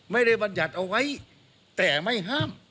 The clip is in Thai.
ไม่ได้บรรยัติเอาไว้แต่ไม่ห้าม